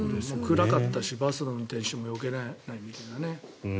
暗かったしバスの運転手もよけれないみたいな。